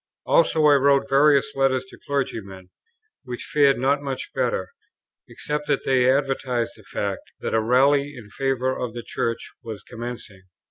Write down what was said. Also I wrote various letters to clergymen, which fared not much better, except that they advertised the fact, that a rally in favour of the Church was commencing.